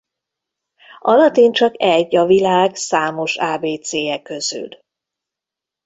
A latin csak egy a világ számos ábécéje közül.